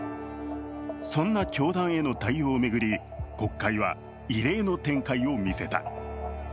そんな教団への対応を巡り、国会は異例の展開を見せた。